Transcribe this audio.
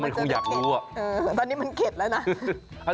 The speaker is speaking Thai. มันคงอยากรู้อ่ะตอนนี้มันเข็ดแล้วนะ